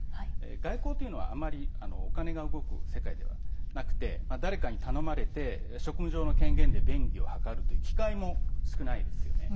外交というのは、あまりお金が動く世界ではなくて誰かに頼まれて職務上の権限で便宜を図るという機会も少ないですよね。